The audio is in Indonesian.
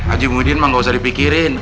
haji muhyiddin mah gak usah dipikirin